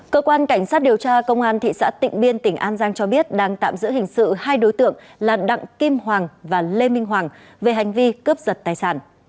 cơ quan cảnh sát điều tra công an thị xã tịnh biên tỉnh an giang cho biết đang tạm giữ hình sự hai đối tượng là đặng kim hoàng và lê minh hoàng về hành vi cướp giật tài sản